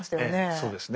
そうですね。